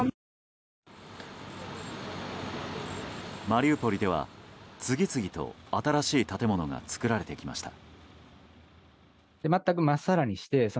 マリウポリでは次々と新しい建物が作られてきました。